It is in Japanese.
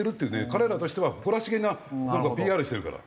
彼らとしては誇らしげなＰＲしてるから。